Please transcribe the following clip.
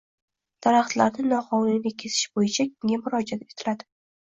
Daraxtlarni noqonuniy kesish bo‘yicha kimga murojaat etiladi?